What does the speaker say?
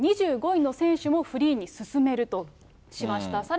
２５位の選手もフリーに進めるとしました。